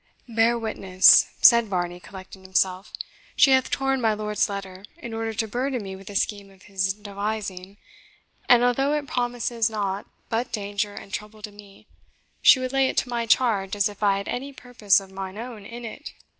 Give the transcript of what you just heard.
"Bear witness," said Varney, collecting himself, "she hath torn my lord's letter, in order to burden me with the scheme of his devising; and although it promises nought but danger and trouble to me, she would lay it to my charge, as if I had any purpose of mine own in it."